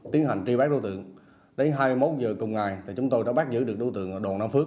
tiến hành tri bác đối tượng đến hai mươi một h cùng ngày chúng tôi đã bác giữ được đối tượng ở đoàn nam phước